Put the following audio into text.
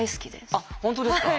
あっ本当ですか？